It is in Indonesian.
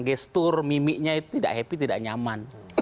gestur mimiknya itu tidak happy tidak nyaman